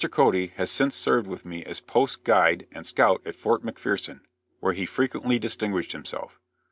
Cody has since served with me as post guide and scout at Fort McPherson, where he frequently distinguished himself.